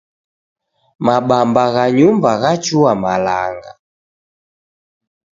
Mabamba gha nyumba ghachua malanga.